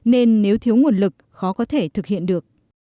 nên nếu thiếu nguồn lực khó có thể thực hiện được